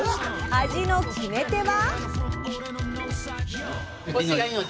味の決め手は？